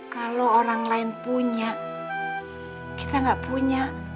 kalau orang lain punya kita nggak punya